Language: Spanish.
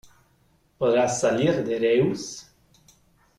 ¿Podrá salir de Reus?